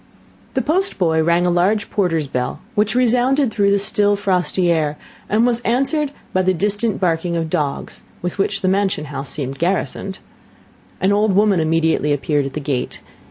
The post boy rang a large porter's bell, which resounded through the still, frosty air, and was answered by the distant barking of dogs, with which the mansion house seemed garrisoned. An old woman immediately appeared at the gate.